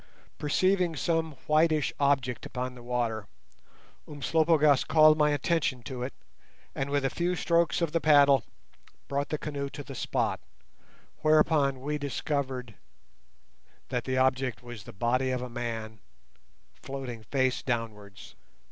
Perceiving some whitish object upon the water, Umslopogaas called my attention to it, and with a few strokes of the paddle brought the canoe to the spot, whereupon we discovered that the object was the body of a man floating face downwards.